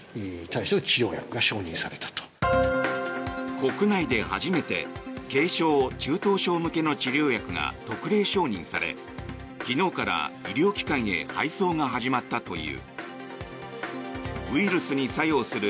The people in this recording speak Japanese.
国内で初めて軽症・中等症向けの治療薬が特例承認され昨日から医療機関へ配送が始まったという。